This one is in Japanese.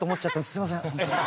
すいませんホントに。